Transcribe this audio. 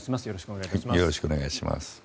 よろしくお願いします。